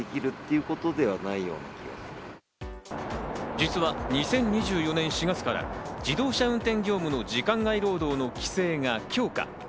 実は２０２４年４月から自動車運転業務の時間外労働の規制が強化。